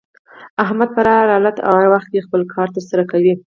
احمد په هر حالت او هر وخت کې خپل کار تر سره کوي.